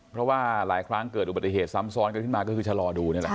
เพราะว่าหลายครั้งเกิดอุบัติเหตุซ้ำซ้อนกันขึ้นมาก็คือชะลอดูนี่แหละ